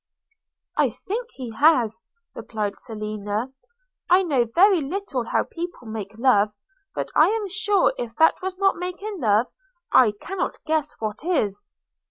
'I think he has,' replied Selina. 'I know very little how people make love; but I am sure if that was not making love, I cannot guess what is.